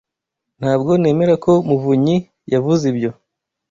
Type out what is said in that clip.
Ntabwo nemera ko muvunyi yavuze ibyo.